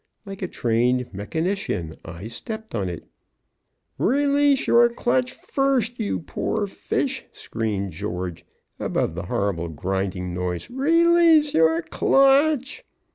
Like a trained mechanician I stepped on it. "Release your clutch first, you poor fish!" screamed George, above the horrible grinding noise. "Release your clutch!"